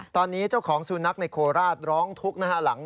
ตอนนี้เจ้าของสุนัขในโคราชร้องทุกข์นะฮะหลัง